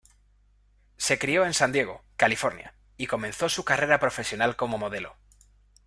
Se crio en San Diego, California y comenzó su carrera profesional como modelo.